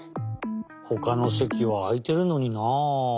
ほかのせきはあいてるのになあ。